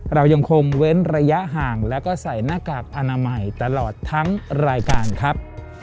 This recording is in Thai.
เรายังคงเว้นระยะห่างแล้วก็ใส่หน้ากากอนามัยตลอดทั้งรายการครับ